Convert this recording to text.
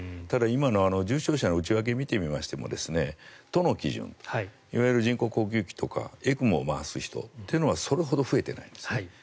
ただ、今の重症者の内訳を見てみましても都の基準いわゆる人工呼吸器とかＥＣＭＯを回す人はそれほど増えてないんです。